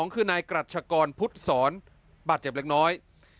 คือนายกรัชกรพุทธศรบาดเจ็บเล็กน้อย